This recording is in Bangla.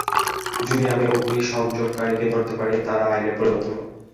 যদি আমি অগ্নি সংযোগকারীকে ধরতে পারি, তারা আইনের পরিবর্তন করবে।